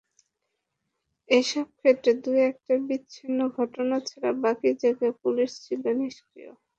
এসব ক্ষেত্রে দু-একটা বিচ্ছিন্ন ঘটনা ছাড়া বাকি জায়গায় পুলিশ ছিল নিষ্ক্রিয়।